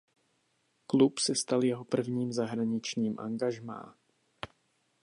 Klub se stal jeho prvním zahraničním angažmá.